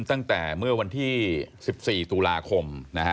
ตั้งแต่เมื่อวันที่๑๔ตุลาคมนะฮะ